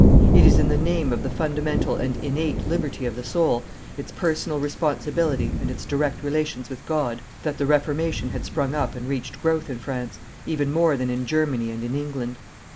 It was in the name of the fundamental and innate liberty of the soul, its personal responsibility and its direct relations with God, that the Reformation had sprung up and reached growth in France, even more than in Germany and in England.